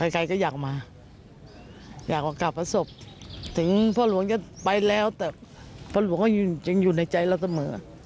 ใครก็อยากมาอยากมากราบพระศพถึงพ่อหลวงจะไปแล้วแต่พ่อหลวงยังอยู่ในใจเราเสมอ